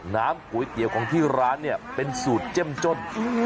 น้ำก๋วยเตี๋ยวของที่ร้านเนี่ยเป็นสูตรเจ้มจ้น